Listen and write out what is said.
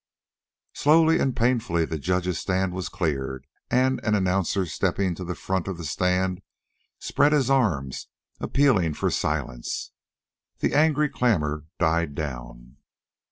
Slowly and painfully the judges' stand was cleared, and an announcer, stepping to the front of the stand, spread his arms appealing for silence. The angry clamor died down.